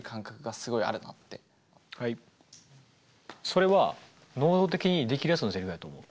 それは能動的にできるやつのせりふやと思う。